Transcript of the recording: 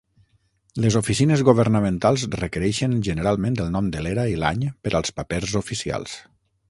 Les oficines governamentals requereixen generalment el nom de l'era i l'any per als papers oficials.